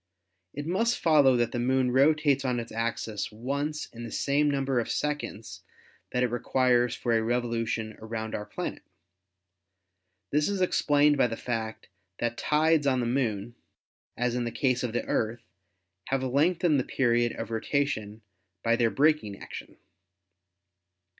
It must follow that the Moon rotates on its axis once in the same number of seconds that it requires for a revolution around our planet. This is explained by the fact that tides on the Moon, as in the case of the Earth, have lengthened the period of rota tion by their braking action.